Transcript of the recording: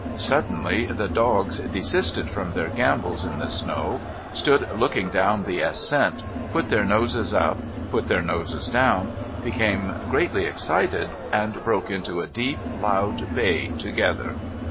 Suddenly the dogs desisted from their gambols in the snow, stood looking down the ascent, put their noses up, put their noses down, became greatly excited, and broke into a deep loud bay together.